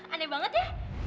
aneh banget ya